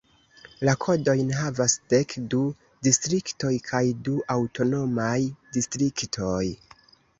La kodojn havas dek du distriktoj kaj du aŭtonomaj distriktoj.